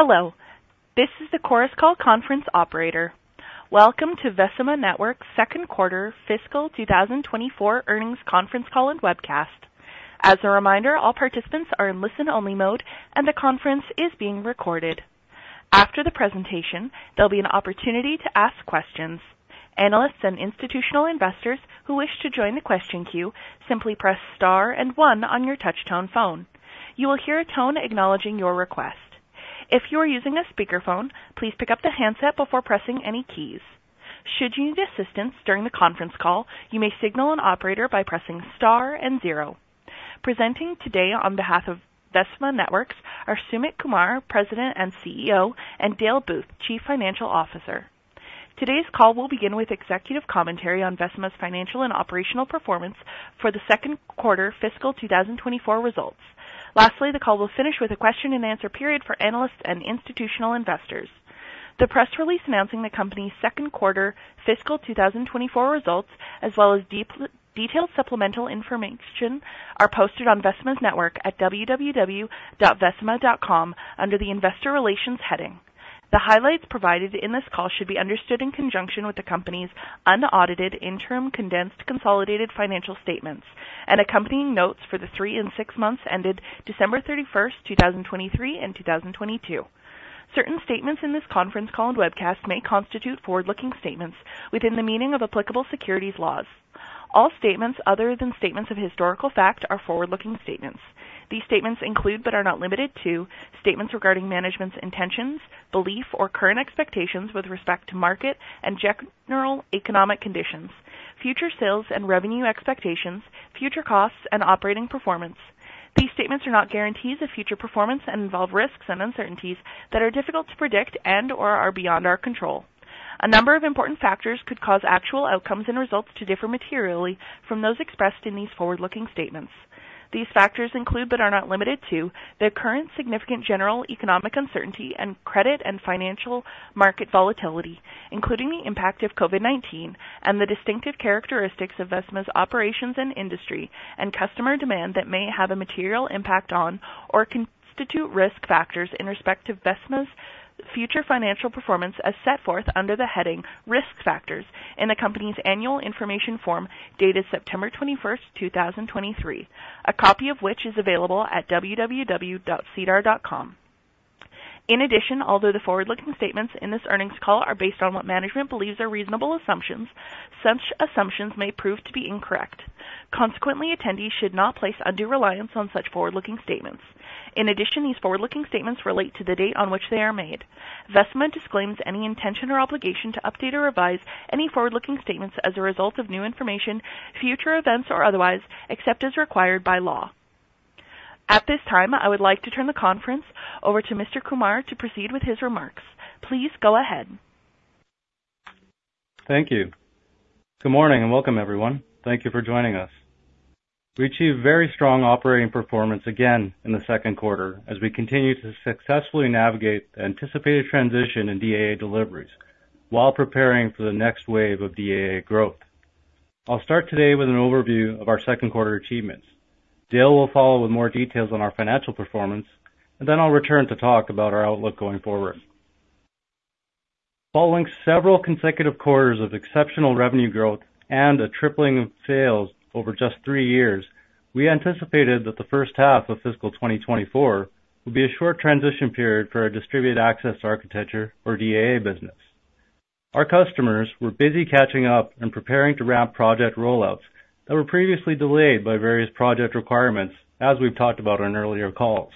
Hello, this is the Chorus Call Conference Operator. Welcome to Vecima Networks' Second Quarter Fiscal 2024 Earnings Conference Call and Webcast. As a reminder, all participants are in listen-only mode, and the conference is being recorded. After the presentation, there'll be an opportunity to ask questions. Analysts and institutional investors who wish to join the question queue, simply press star and one on your touchtone phone. You will hear a tone acknowledging your request. If you are using a speakerphone, please pick up the handset before pressing any keys. Should you need assistance during the conference call, you may signal an operator by pressing star and zero. Presenting today on behalf of Vecima Networks are Sumit Kumar, President and CEO, and Dale Booth, Chief Financial Officer. Today's call will begin with executive commentary on Vecima's financial and operational performance for the second quarter fiscal 2024 results. Lastly, the call will finish with a question-and-answer period for analysts and institutional investors. The press release announcing the company's second quarter fiscal 2024 results, as well as detailed supplemental information, are posted on Vecima's network at www.vecima.com under the Investor Relations heading. The highlights provided in this call should be understood in conjunction with the company's unaudited interim, condensed consolidated financial statements and accompanying notes for the three and six months ended December 31st, 2023 and 2022. Certain statements in this conference call and webcast may constitute forward-looking statements within the meaning of applicable securities laws. All statements other than statements of historical fact are forward-looking statements. These statements include, but are not limited to, statements regarding management's intentions, belief, or current expectations with respect to market and general economic conditions, future sales and revenue expectations, future costs, and operating performance. These statements are not guarantees of future performance and involve risks and uncertainties that are difficult to predict and/or are beyond our control. A number of important factors could cause actual outcomes and results to differ materially from those expressed in these forward-looking statements. These factors include, but are not limited to, the current significant general economic uncertainty and credit and financial market volatility, including the impact of COVID-19 and the distinctive characteristics of Vecima's operations and industry and customer demand that may have a material impact on or constitute risk factors in respect to Vecima's future financial performance as set forth under the heading Risk Factors in the company's annual information form dated September 21st, 2023, a copy of which is available at www.sedar.com. In addition, although the forward-looking statements in this earnings call are based on what management believes are reasonable assumptions, such assumptions may prove to be incorrect. Consequently, attendees should not place undue reliance on such forward-looking statements. In addition, these forward-looking statements relate to the date on which they are made. Vecima disclaims any intention or obligation to update or revise any forward-looking statements as a result of new information, future events, or otherwise, except as required by law. At this time, I would like to turn the conference over to Mr. Kumar to proceed with his remarks. Please go ahead. Thank you. Good morning, and welcome, everyone. Thank you for joining us. We achieved very strong operating performance again in the second quarter as we continue to successfully navigate the anticipated transition in DAA deliveries while preparing for the next wave of DAA growth. I'll start today with an overview of our second quarter achievements. Dale will follow with more details on our financial performance, and then I'll return to talk about our outlook going forward. Following several consecutive quarters of exceptional revenue growth and a tripling of sales over just three years, we anticipated that the first half of fiscal 2024 would be a short transition period for our distributed access architecture, or DAA, business. Our customers were busy catching up and preparing to ramp project rollouts that were previously delayed by various project requirements, as we've talked about on earlier calls.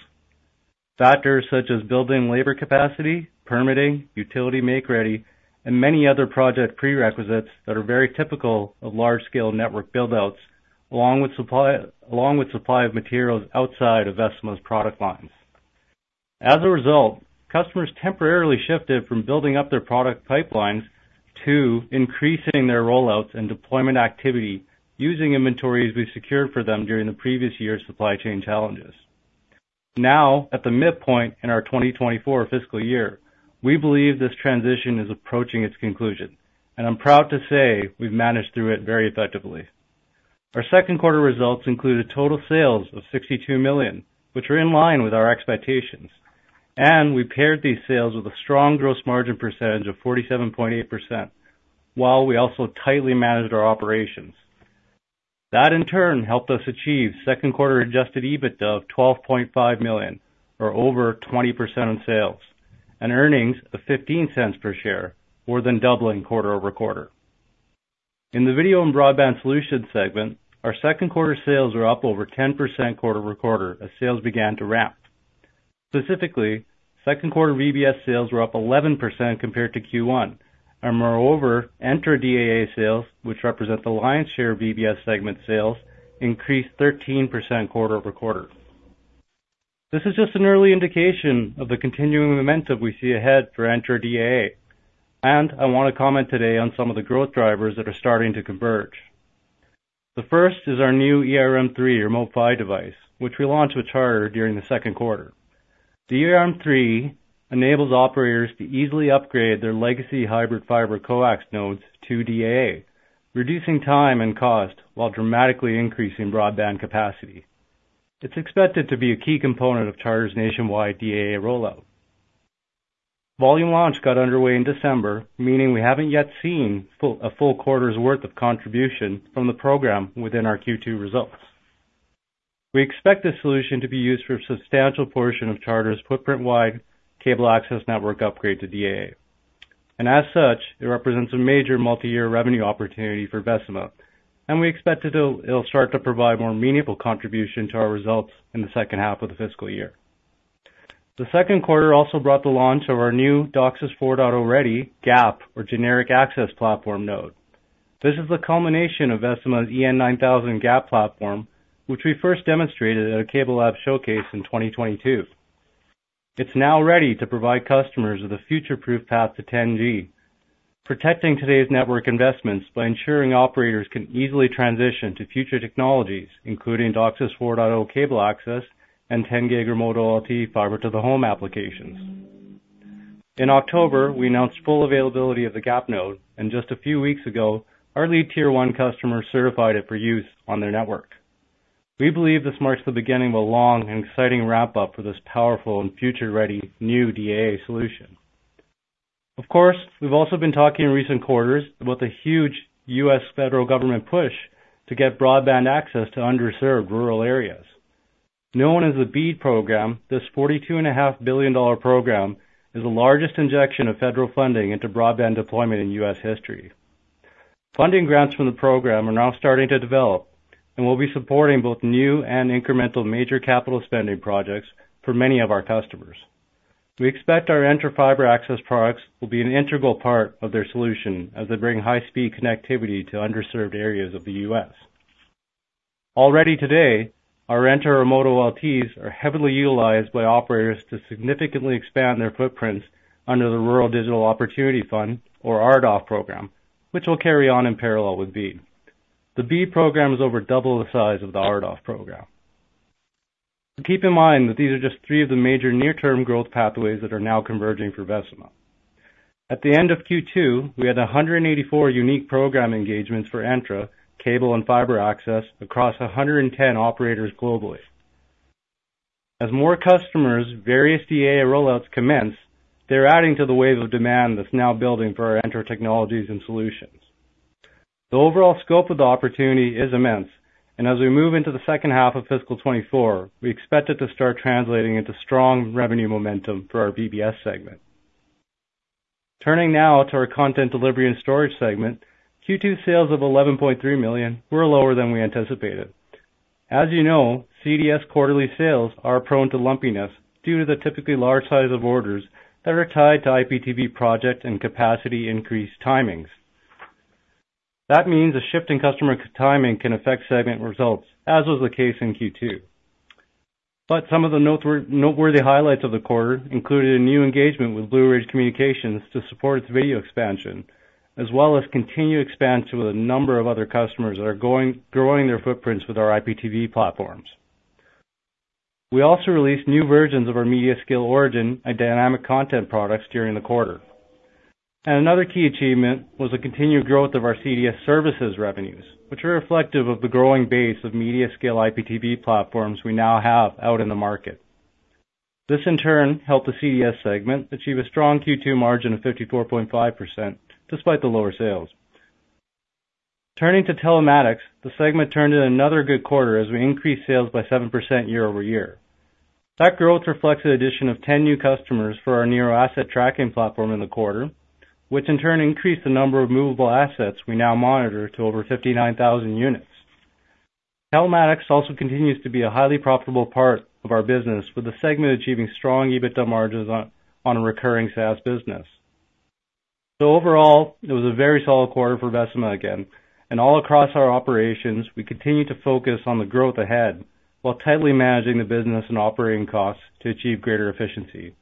Factors such as building labor capacity, permitting, utility make-ready, and many other project prerequisites that are very typical of large-scale network build-outs, along with supply, along with supply of materials outside of Vecima's product lines. As a result, customers temporarily shifted from building up their product pipelines to increasing their rollouts and deployment activity using inventories we secured for them during the previous year's supply chain challenges. Now, at the midpoint in our 2024 fiscal year, we believe this transition is approaching its conclusion, and I'm proud to say we've managed through it very effectively. Our second quarter results included total sales of 62 million, which are in line with our expectations, and we paired these sales with a strong gross margin percentage of 47.8%, while we also tightly managed our operations. That, in turn, helped us achieve second quarter adjusted EBITDA of 12.5 million, or over 20% on sales, and earnings of 0.15 per share, more than doubling quarter-over-quarter. In the Video and Broadband Solutions segment, our second quarter sales were up over 10% quarter-over-quarter as sales began to ramp. Specifically, second quarter VBS sales were up 11% compared to Q1, and moreover, ENTRA DAA sales, which represent the lion's share of VBS segment sales, increased 13% quarter-over-quarter. This is just an early indication of the continuing momentum we see ahead for ENTRA DAA, and I want to comment today on some of the growth drivers that are starting to converge. The first is our new ERM3 Remote PHY device, which we launched with Charter during the second quarter. ERM3 enables operators to easily upgrade their legacy hybrid fiber coax nodes to DAA, reducing time and cost, while dramatically increasing broadband capacity. It's expected to be a key component of Charter's nationwide DAA rollout. Volume launch got underway in December, meaning we haven't yet seen a full quarter's worth of contribution from the program within our Q2 results. We expect this solution to be used for a substantial portion of Charter's footprint-wide cable access network upgrade to DAA. And as such, it represents a major multi-year revenue opportunity for Vecima, and we expect it'll start to provide more meaningful contribution to our results in the second half of the fiscal year. The second quarter also brought the launch of our new DOCSIS 4.0 ready GAP, or Generic Access Platform node. This is the culmination of Vecima's EN9000 GAP platform, which we first demonstrated at a CableLabs showcase in 2022. It's now ready to provide customers with a future-proof path to 10G, protecting today's network investments by ensuring operators can easily transition to future technologies, including DOCSIS 4.0 cable access and 10G Remote OLT fiber to the home applications. In October, we announced full availability of the GAP node, and just a few weeks ago, our lead tier one customer certified it for use on their network. We believe this marks the beginning of a long and exciting rollout for this powerful and future-ready new DAA solution. Of course, we've also been talking in recent quarters about the huge U.S. federal government push to get broadband access to underserved rural areas. Known as the BEAD program, this $42.5 billion program is the largest injection of federal funding into broadband deployment in U.S. history. Funding grants from the program are now starting to develop and will be supporting both new and incremental major capital spending projects for many of our customers. We expect our ENTRA Fiber access products will be an integral part of their solution as they bring high-speed connectivity to underserved areas of the U.S. Already today, our ENTRA Remote OLTs are heavily utilized by operators to significantly expand their footprints under the Rural Digital Opportunity Fund, or RDOF program, which will carry on in parallel with BEAD. The BEAD program is over double the size of the RDOF program. So keep in mind that these are just three of the major near-term growth pathways that are now converging for Vecima. At the end of Q2, we had 184 unique program engagements for ENTRA, cable, and fiber access across 110 operators globally. As more customers, various DAA rollouts commence, they're adding to the wave of demand that's now building for our ENTRA technologies and solutions. The overall scope of the opportunity is immense, and as we move into the second half of fiscal 2024, we expect it to start translating into strong revenue momentum for our VBS segment. Turning now to our content delivery and storage segment, Q2 sales of 11.3 million were lower than we anticipated. As you know, CDS quarterly sales are prone to lumpiness due to the typically large size of orders that are tied to IPTV projects and capacity increase timings. That means a shift in customer timing can affect segment results, as was the case in Q2. But some of the noteworthy highlights of the quarter included a new engagement with Blue Ridge Communications to support its video expansion, as well as continued expansion with a number of other customers that are growing their footprints with our IPTV platforms. We also released new versions of our MediaScale Origin and Dynamic Content products during the quarter. Another key achievement was the continued growth of our CDS services revenues, which are reflective of the growing base of MediaScale IPTV platforms we now have out in the market. This, in turn, helped the CDS segment achieve a strong Q2 margin of 54.5%, despite the lower sales. Turning to Telematics, the segment turned in another good quarter as we increased sales by 7% year-over-year. That growth reflects the addition of 10 new customers for our Nero Asset Tracking platform in the quarter, which in turn increased the number of movable assets we now monitor to over 59,000 units. Telematics also continues to be a highly profitable part of our business, with the segment achieving strong EBITDA margins on a recurring SaaS business. So overall, it was a very solid quarter for Vecima again, and all across our operations, we continue to focus on the growth ahead, while tightly managing the business and operating costs to achieve greater efficiency.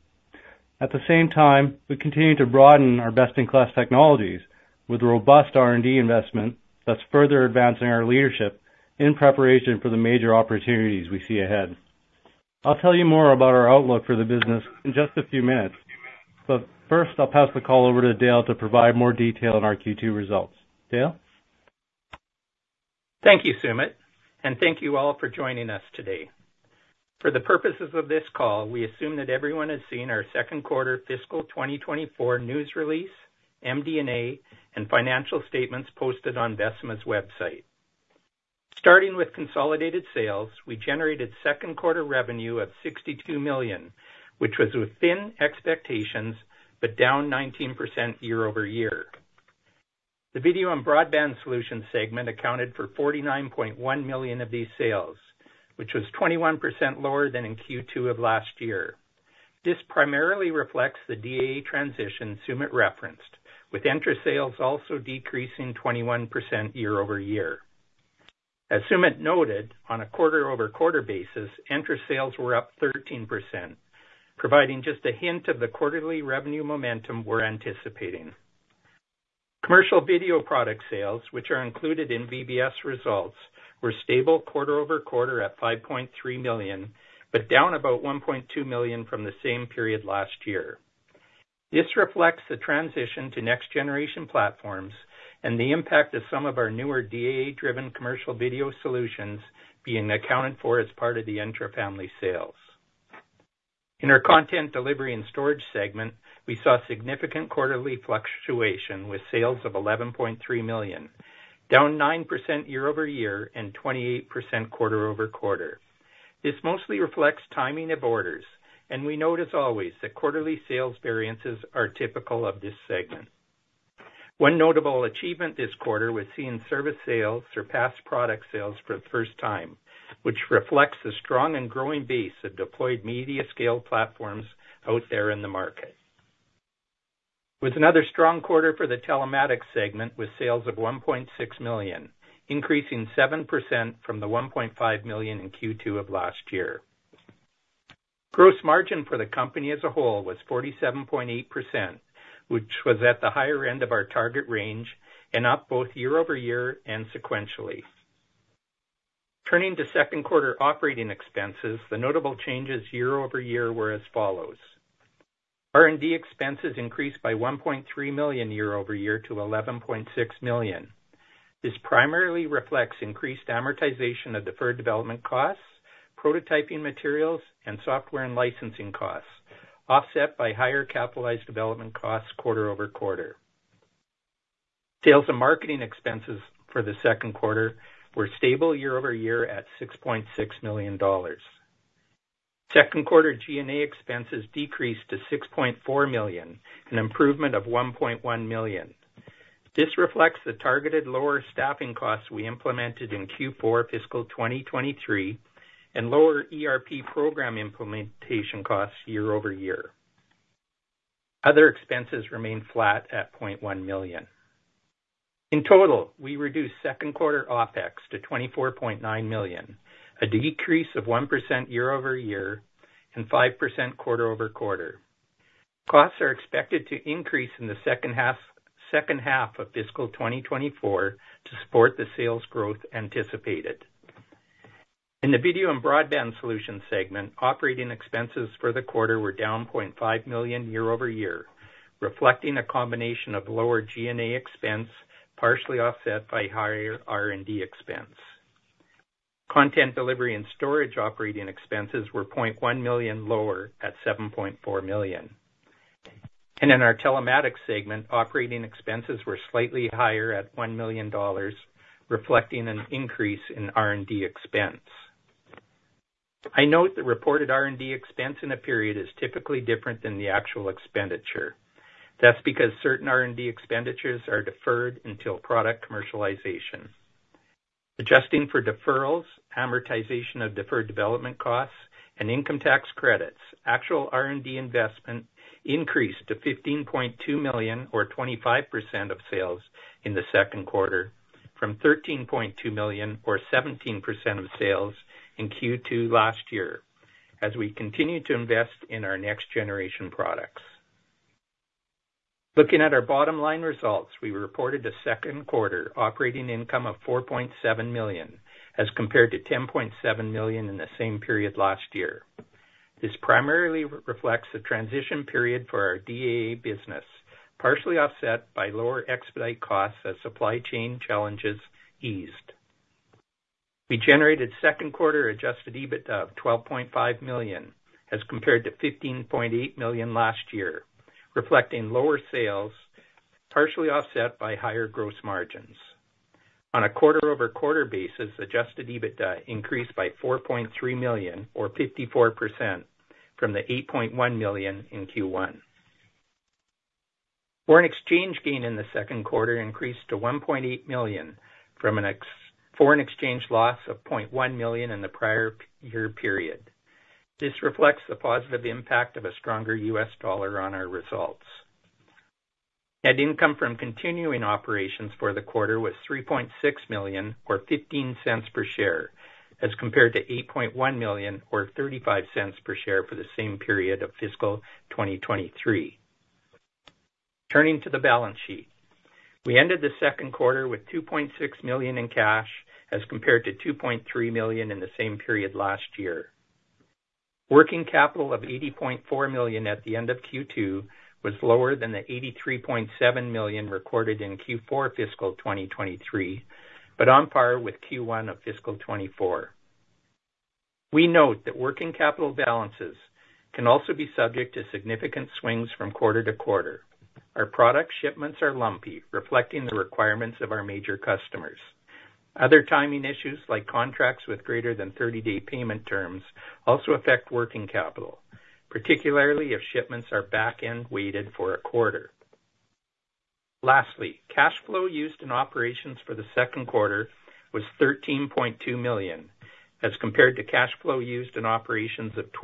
At the same time, we continue to broaden our best-in-class technologies with robust R&D investment that's further advancing our leadership in preparation for the major opportunities we see ahead. I'll tell you more about our outlook for the business in just a few minutes, but first, I'll pass the call over to Dale to provide more detail on our Q2 results. Dale? Thank you, Sumit, and thank you all for joining us today. For the purposes of this call, we assume that everyone has seen our second quarter fiscal 2024 news release, MD&A, and financial statements posted on Vecima's website. Starting with consolidated sales, we generated second quarter revenue of 62 million, which was within expectations, but down 19% year-over-year. The video and broadband solutions segment accounted for 49.1 million of these sales, which was 21% lower than in Q2 of last year. This primarily reflects the DAA transition Sumit referenced, with ENTRA sales also decreasing 21% year-over-year. As Sumit noted, on a quarter-over-quarter basis, ENTRA sales were up 13%, providing just a hint of the quarterly revenue momentum we're anticipating.... Commercial video product sales, which are included in VBS results, were stable quarter-over-quarter at 5.3 million, but down about 1.2 million from the same period last year. This reflects the transition to next-generation platforms and the impact of some of our newer DAA-driven commercial video solutions being accounted for as part of the ENTRA-family sales. In our content delivery and storage segment, we saw significant quarterly fluctuation, with sales of 11.3 million, down 9% year-over-year and 28% quarter-over-quarter. This mostly reflects timing of orders, and we note, as always, that quarterly sales variances are typical of this segment. One notable achievement this quarter was seeing service sales surpass product sales for the first time, which reflects the strong and growing base of deployed MediaScale platforms out there in the market. With another strong quarter for the Telematics segment, with sales of $1.6 million, increasing 7% from the $1.5 million in Q2 of last year. Gross margin for the company as a whole was 47.8%, which was at the higher end of our target range and up both year-over-year and sequentially. Turning to second quarter operating expenses, the notable changes year-over-year were as follows: R&D expenses increased by $1.3 million year-over-year to $11.6 million. This primarily reflects increased amortization of deferred development costs, prototyping materials, and software and licensing costs, offset by higher capitalized development costs quarter-over-quarter. Sales and marketing expenses for the second quarter were stable year-over-year at $6.6 million. Second quarter G&A expenses decreased to 6.4 million, an improvement of 1.1 million. This reflects the targeted lower staffing costs we implemented in Q4 fiscal 2023, and lower ERP program implementation costs year-over-year. Other expenses remained flat at 0.1 million. In total, we reduced second quarter OpEx to 24.9 million, a decrease of 1% year-over-year and 5% quarter-over-quarter. Costs are expected to increase in the second half, second half of fiscal 2024 to support the sales growth anticipated. In the Video and Broadband Solutions segment, operating expenses for the quarter were down 0.5 million year-over-year, reflecting a combination of lower G&A expense, partially offset by higher R&D expense. Content delivery and storage operating expenses were 0.1 million lower at 7.4 million. In our Telematics segment, operating expenses were slightly higher at 1 million dollars, reflecting an increase in R&D expense. I note that reported R&D expense in a period is typically different than the actual expenditure. That's because certain R&D expenditures are deferred until product commercialization. Adjusting for deferrals, amortization of deferred development costs, and income tax credits, actual R&D investment increased to 15.2 million, or 25% of sales, in the second quarter, from 13.2 million, or 17% of sales, in Q2 last year, as we continue to invest in our next-generation products. Looking at our bottom-line results, we reported a second quarter operating income of 4.7 million, as compared to 10.7 million in the same period last year. This primarily reflects the transition period for our DAA business, partially offset by lower expedite costs as supply chain challenges eased. We generated second quarter adjusted EBITDA of $12.5 million, as compared to $15.8 million last year, reflecting lower sales, partially offset by higher gross margins. On a quarter-over-quarter basis, adjusted EBITDA increased by $4.3 million, or 54%, from the $8.1 million in Q1. Foreign exchange gain in the second quarter increased to $1.8 million from an FX foreign exchange loss of $0.1 million in the prior year period. This reflects the positive impact of a stronger U.S. dollar on our results. Net income from continuing operations for the quarter was $3.6 million, or $0.15 per share, as compared to $8.1 million, or $0.35 per share, for the same period of fiscal 2023. Turning to the balance sheet. We ended the second quarter with 2.6 million in cash, as compared to 2.3 million in the same period last year. Working capital of 80.4 million at the end of Q2 was lower than the 83.7 million recorded in Q4 fiscal 2023, but on par with Q1 of fiscal 2024. We note that working capital balances can also be subject to significant swings from quarter to quarter. Our product shipments are lumpy, reflecting the requirements of our major customers. Other timing issues, like contracts with greater than 30-day payment terms, also affect working capital, particularly if shipments are back-end weighted for a quarter. Lastly, cash flow used in operations for the second quarter was CAD 13.2 million, as compared to cash flow used in operations of CAD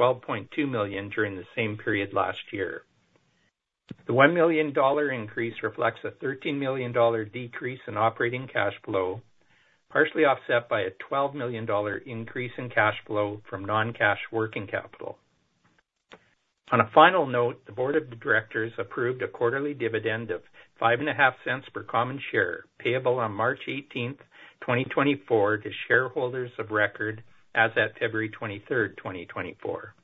12.2 million during the same period last year. The CAD 1 million increase reflects a CAD 13 million decrease in operating cash flow, partially offset by a CAD 12 million increase in cash flow from non-cash working capital. On a final note, the board of directors approved a quarterly dividend of 0.055 per common share, payable on March 18th, 2024, to shareholders of record as at February 23rd, 2024.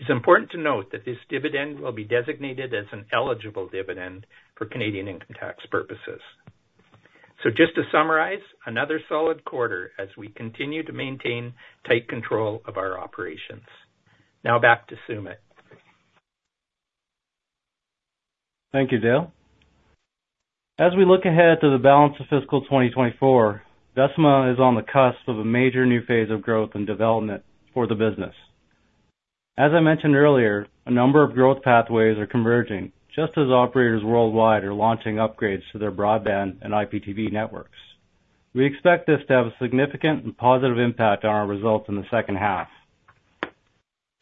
It's important to note that this dividend will be designated as an eligible dividend for Canadian income tax purposes. So just to summarize, another solid quarter as we continue to maintain tight control of our operations. Now back to Sumit. Thank you, Dale. As we look ahead to the balance of fiscal 2024, Vecima is on the cusp of a major new phase of growth and development for the business. As I mentioned earlier, a number of growth pathways are converging, just as operators worldwide are launching upgrades to their broadband and IPTV networks. We expect this to have a significant and positive impact on our results in the second half.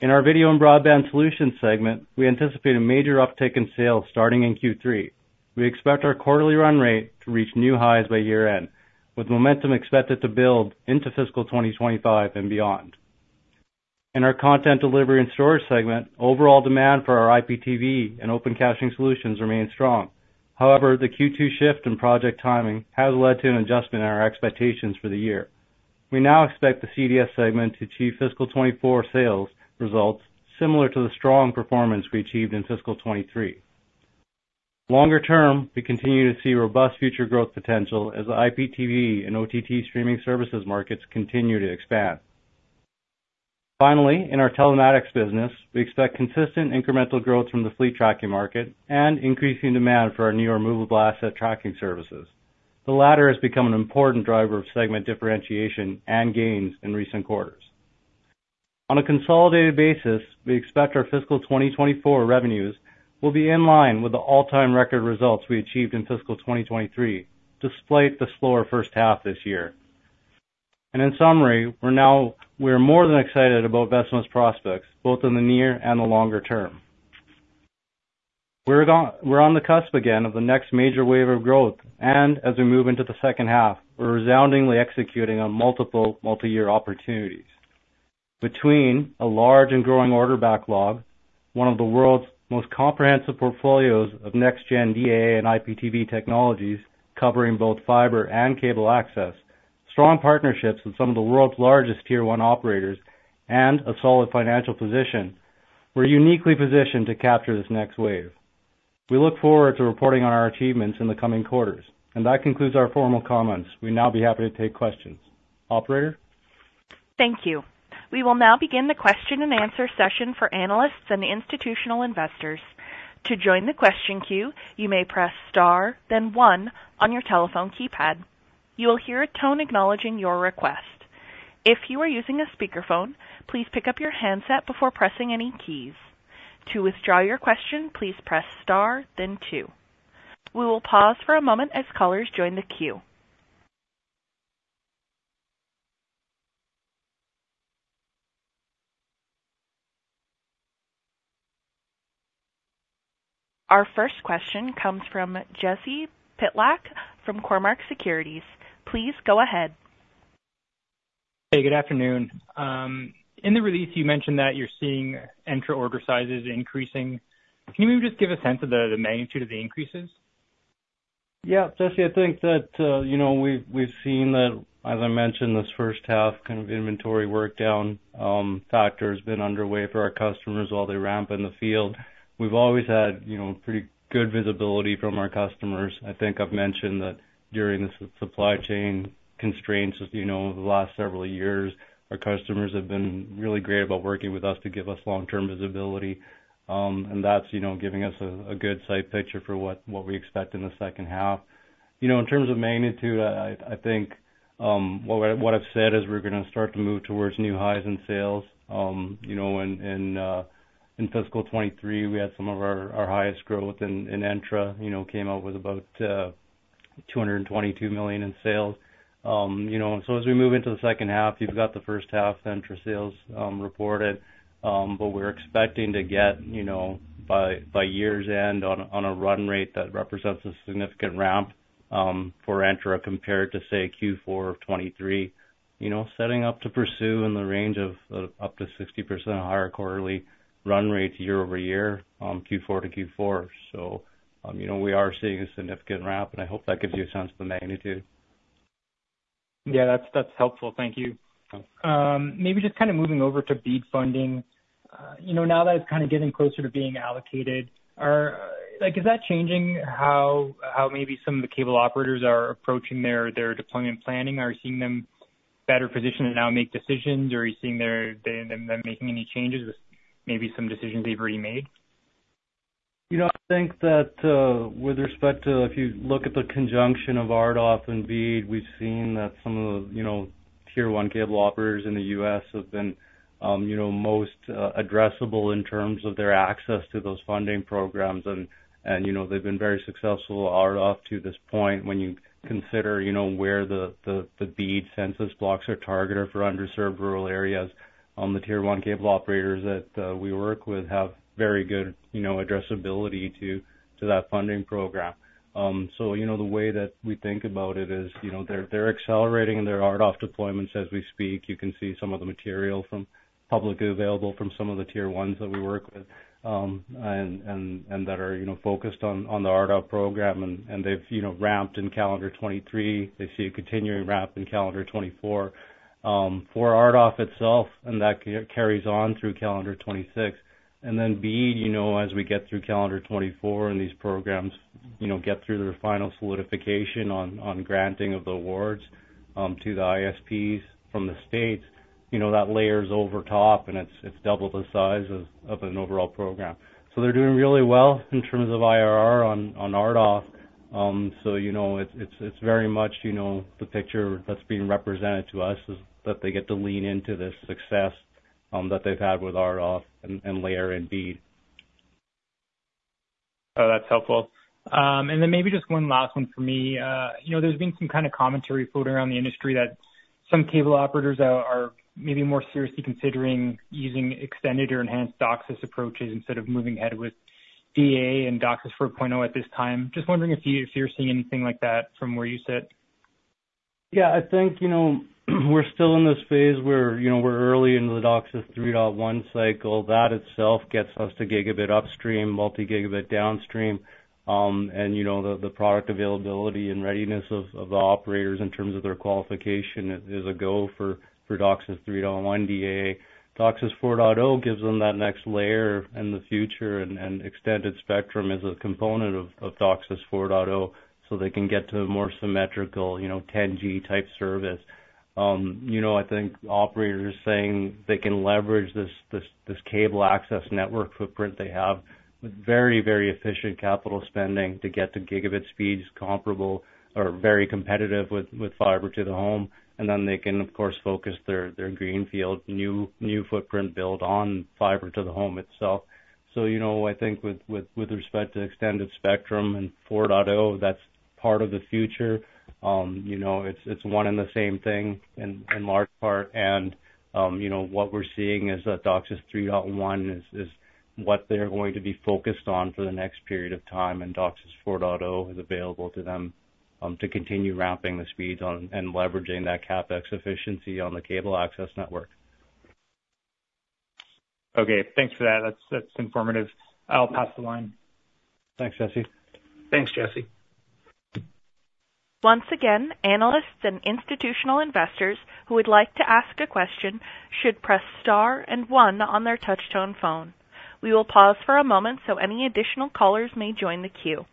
In our Video and Broadband Solutions segment, we anticipate a major uptick in sales starting in Q3. We expect our quarterly run rate to reach new highs by year-end, with momentum expected to build into fiscal 2025 and beyond. In our Content Delivery and Storage segment, overall demand for our IPTV and open caching solutions remains strong. However, the Q2 shift in project timing has led to an adjustment in our expectations for the year. We now expect the CDS segment to achieve fiscal 2024 sales results similar to the strong performance we achieved in fiscal 2023. Longer term, we continue to see robust future growth potential as the IPTV and OTT streaming services markets continue to expand. Finally, in our Telematics business, we expect consistent incremental growth from the fleet tracking market and increasing demand for our new removable asset tracking services. The latter has become an important driver of segment differentiation and gains in recent quarters. On a consolidated basis, we expect our fiscal 2024 revenues will be in line with the all-time record results we achieved in fiscal 2023, despite the slower first half this year. And in summary, we are more than excited about Vecima's prospects, both in the near and the longer term. We're on the cusp again of the next major wave of growth, and as we move into the second half, we're resoundingly executing on multiple multi-year opportunities. Between a large and growing order backlog, one of the world's most comprehensive portfolios of next gen DAA and IPTV technologies, covering both fiber and cable access, strong partnerships with some of the world's largest tier one operators and a solid financial position, we're uniquely positioned to capture this next wave. We look forward to reporting on our achievements in the coming quarters, and that concludes our formal comments. We'd now be happy to take questions. Operator? Thank you. We will now begin the question and answer session for analysts and institutional investors. To join the question queue, you may press star, then one on your telephone keypad. You will hear a tone acknowledging your request. If you are using a speakerphone, please pick up your handset before pressing any keys. To withdraw your question, please press star then two. We will pause for a moment as callers join the queue. Our first question comes from Jesse Pytlak from Cormark Securities. Please go ahead. Hey, good afternoon. In the release, you mentioned that you're seeing larger order sizes increasing. Can you maybe just give a sense of the magnitude of the increases? Yeah, Jesse, I think that, you know, we've, we've seen that, as I mentioned, this first half kind of inventory work down factor has been underway for our customers while they ramp in the field. We've always had, you know, pretty good visibility from our customers. I think I've mentioned that during the supply chain constraints, as you know, over the last several years, our customers have been really great about working with us to give us long-term visibility. And that's, you know, giving us a good sight picture for what we expect in the second half. You know, in terms of magnitude, I think what I've said is we're going to start to move towards new highs in sales. You know, in, in fiscal 2023, we had some of our, our highest growth, and, and ENTRA, you know, came out with about 222 million in sales. You know, so as we move into the second half, you've got the first half ENTRA sales reported. But we're expecting to get, you know, by, by year's end on a, on a run rate that represents a significant ramp for ENTRA, compared to, say, Q4 of 2023. You know, setting up to pursue in the range of up to 60% higher quarterly run rates year-over-year, Q4 to Q4. So, you know, we are seeing a significant ramp, and I hope that gives you a sense of the magnitude. Yeah, that's, that's helpful. Thank you. Maybe just kind of moving over to BEAD funding. You know, now that it's kind of getting closer to being allocated, like, is that changing how, how maybe some of the cable operators are approaching their, their deployment planning? Are you seeing them better positioned to now make decisions, or are you seeing them making any changes with maybe some decisions they've already made? You know, I think that, with respect to if you look at the conjunction of RDOF and BEAD, we've seen that some of the, you know, tier one cable operators in the U.S. have been, you know, most, addressable in terms of their access to those funding programs. And, you know, they've been very successful RDOF to this point. When you consider, you know, where the, the, BEAD census blocks are targeted for underserved rural areas, the tier one cable operators that, we work with have very good, you know, addressability to, to that funding program. So, you know, the way that we think about it is, you know, they're, accelerating their RDOF deployments as we speak. You can see some of the material from... publicly available from some of the tier ones that we work with, and that are, you know, focused on the RDOF program, and they've, you know, ramped in calendar 2023. They see a continuing ramp in calendar 2024. For RDOF itself, and that carries on through calendar 2026. And then BEAD, you know, as we get through calendar 2024 and these programs you know, get through their final solidification on granting of the awards to the ISPs from the states, you know, that layers over top, and it's double the size of an overall program. So they're doing really well in terms of IRR on RDOF. So, you know, it's very much, you know, the picture that's being represented to us is that they get to lean into this success that they've had with RDOF and layer in BEAD. Oh, that's helpful. And then maybe just one last one for me. You know, there's been some kind of commentary floating around the industry that some cable operators are, are maybe more seriously considering using extended or enhanced DOCSIS approaches instead of moving ahead with DAA and DOCSIS 4.0 at this time. Just wondering if you, if you're seeing anything like that from where you sit. Yeah, I think, you know, we're still in this phase where, you know, we're early into the DOCSIS 3.1 cycle. That itself gets us to gigabit upstream, multi-gigabit downstream. And, you know, the, the product availability and readiness of, of the operators in terms of their qualification is, is a go for, for DOCSIS 3.1 DAA. DOCSIS 4.0 gives them that next layer in the future, and, and extended spectrum is a component of, of DOCSIS 4.0, so they can get to a more symmetrical, you know, 10G-type service. You know, I think operators are saying they can leverage this cable access network footprint they have with very, very efficient capital spending to get to gigabit speeds comparable or very competitive with fiber to the home, and then they can, of course, focus their greenfield, new footprint build on fiber to the home itself. So, you know, I think with respect to extended spectrum and 4.0, that's part of the future. You know, it's one and the same thing in large part. And, you know, what we're seeing is that DOCSIS 3.1 is what they're going to be focused on for the next period of time, and DOCSIS 4.0 is available to them to continue ramping the speeds on and leveraging that CapEx efficiency on the cable access network. Okay, thanks for that. That's, that's informative. I'll pass the line. Thanks, Jesse. Thanks, Jesse. Once again, analysts and institutional investors who would like to ask a question should press star and one on their touch-tone phone. We will pause for a moment so any additional callers may join the queue.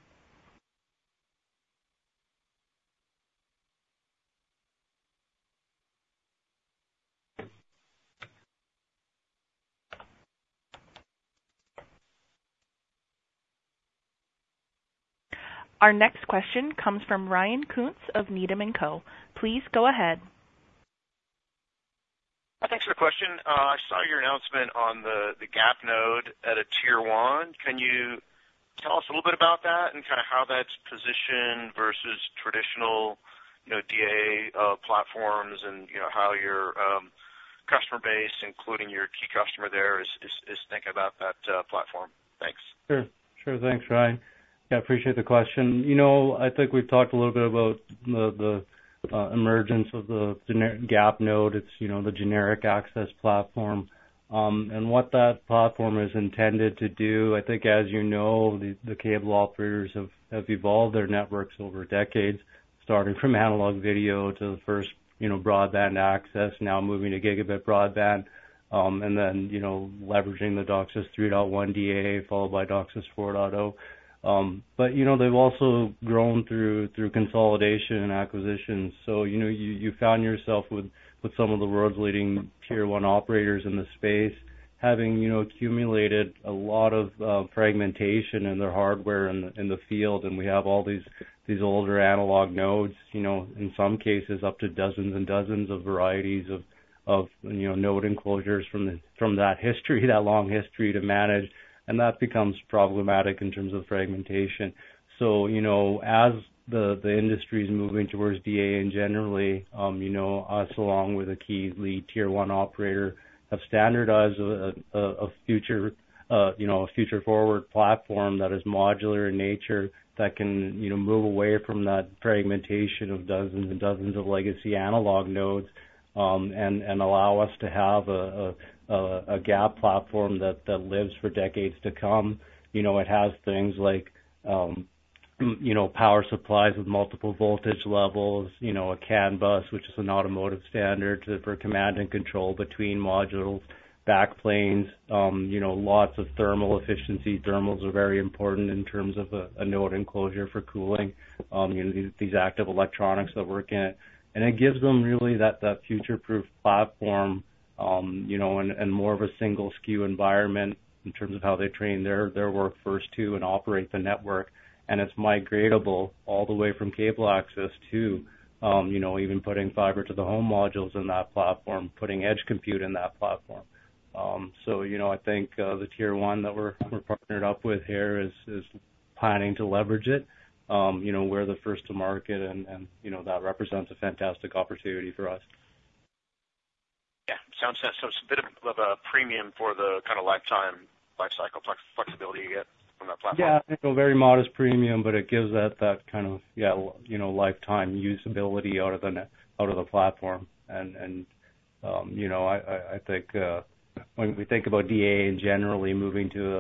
Our next question comes from Ryan Koontz of Needham & Co. Please go ahead. Thanks for the question. I saw your announcement on the GAP node at a Tier 1. Can you tell us a little bit about that and kind of how that's positioned versus traditional, you know, DAA platforms and, you know, how your customer base, including your key customer there, is thinking about that platform? Thanks. Sure. Sure. Thanks, Ryan. Yeah, appreciate the question. You know, I think we've talked a little bit about the emergence of the generic GAP node. It's, you know, the generic access platform, and what that platform is intended to do. I think, as you know, the cable operators have evolved their networks over decades, starting from analog video to the first, you know, broadband access, now moving to gigabit broadband, and then, you know, leveraging the DOCSIS 3.1 DAA, followed by DOCSIS 4.0. But, you know, they've also grown through consolidation and acquisitions. So, you know, you found yourself with some of the world's leading Tier 1 operators in the space, having, you know, accumulated a lot of fragmentation in their hardware in the field. We have all these older analog nodes, you know, in some cases up to dozens and dozens of varieties of, you know, node enclosures from that history, that long history to manage, and that becomes problematic in terms of fragmentation. So, you know, as the industry's moving towards DAA and generally, you know, us along with a key lead Tier 1 operator, have standardized a future forward platform that is modular in nature, that can, you know, move away from that fragmentation of dozens and dozens of legacy analog nodes, and allow us to have a GAP platform that lives for decades to come. You know, it has things like, you know, power supplies with multiple voltage levels, you know, a CAN bus, which is an automotive standard for command and control between modules, backplanes, you know, lots of thermal efficiency. Thermals are very important in terms of a node enclosure for cooling, these active electronics that work in it. And it gives them really that future-proof platform, you know, and more of a single SKU environment in terms of how they train their workforce to and operate the network. And it's migratable all the way from cable access to, you know, even putting fiber to the home modules in that platform, putting edge compute in that platform. So, you know, I think the Tier 1 that we're partnered up with here is planning to leverage it. You know, we're the first to market, and you know, that represents a fantastic opportunity for us. Yeah, sounds like so it's a bit of a premium for the kind of lifetime life cycle flexibility you get from that platform? Yeah, I think a very modest premium, but it gives that kind of, yeah, you know, lifetime usability out of the platform. And you know, I think when we think about DAA and generally moving to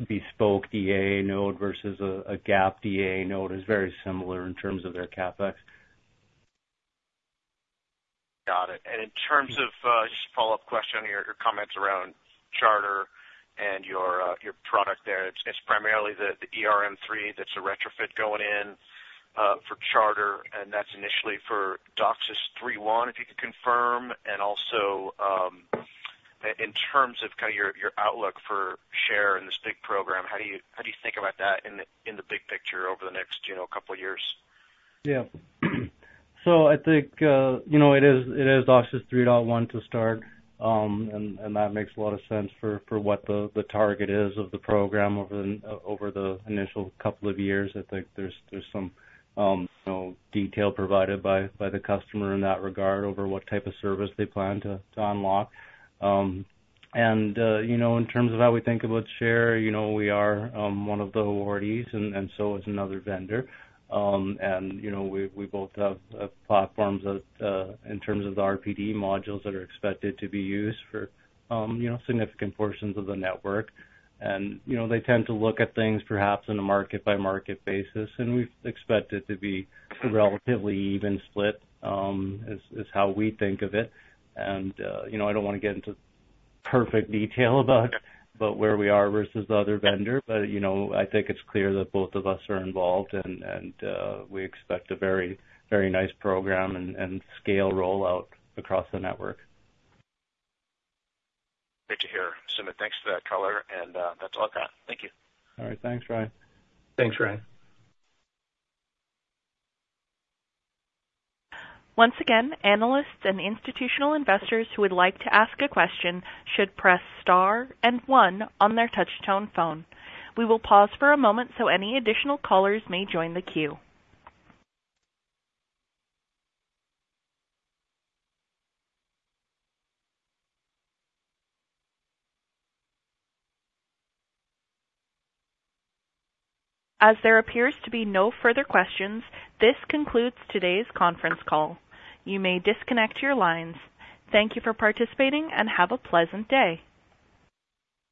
a bespoke DAA node versus a GAP DAA node is very similar in terms of their CapEx. ... In terms of just a follow-up question on your comments around Charter and your product there, it's primarily the ERM3 that's a retrofit going in for Charter, and that's initially for DOCSIS 3.1, if you could confirm. And also, in terms of kind of your outlook for share in this big program, how do you think about that in the big picture over the next, you know, couple years? Yeah. So I think, you know, it is DOCSIS 3.1 to start. And that makes a lot of sense for what the target is of the program over the initial couple of years. I think there's some, you know, detail provided by the customer in that regard over what type of service they plan to unlock. And, you know, in terms of how we think about share, you know, we are one of the awardees and so is another vendor. And, you know, we both have platforms that, in terms of the RPD modules that are expected to be used for, you know, significant portions of the network. You know, they tend to look at things perhaps on a market-by-market basis, and we expect it to be a relatively even split, how we think of it. You know, I don't wanna get into perfect detail about where we are versus the other vendor, but you know, I think it's clear that both of us are involved and we expect a very, very nice program and scale rollout across the network. Great to hear, Sumit. Thanks for that color, and that's all I got. Thank you. All right. Thanks, Ryan. Thanks, Ryan. Once again, analysts and institutional investors who would like to ask a question should press star and one on their touchtone phone. We will pause for a moment so any additional callers may join the queue. As there appears to be no further questions, this concludes today's conference call. You may disconnect your lines. Thank you for participating, and have a pleasant day.